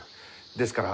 ですから。